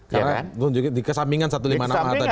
karena di kesamingan satu ratus lima puluh enam tadi